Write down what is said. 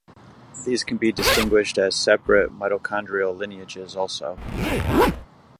These can be distinguished as separate mitochondrial lineages also.